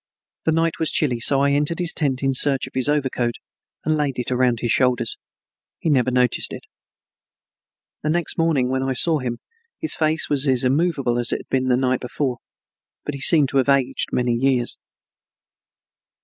The night was chilly so I entered his tent in search of his overcoat and laid it around his shoulders. He never noticed it. The next morning when I saw him his face was as immovable as it had been the night before, but he seemed to have aged by many years.